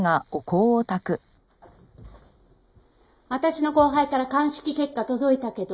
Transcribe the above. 私の後輩から鑑識結果届いたけど。